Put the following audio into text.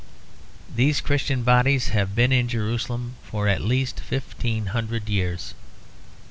These Christian bodies have been in Jerusalem for at least fifteen hundred years.